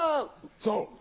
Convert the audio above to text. そう。